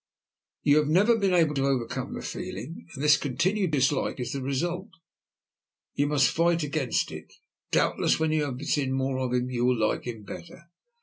You have never been able to overcome the feeling, and this continued dislike is the result. You must fight against it. Doubtless, when you have seen more of him, you will like him better."